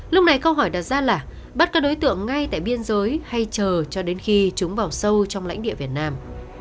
lúc này câu hỏi đặt ra là bắt các đối tượng ngay tại biên giới hay chờ cho đến khi chúng vào sâu trong lãnh địa việt nam